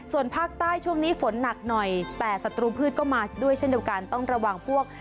ส่วนภาคใต้ช่วงนี้ฝนหนักหน่อยแต่ศัตรูพืชก็มาด้วยเช่นเดียวกันต้องระวังพวก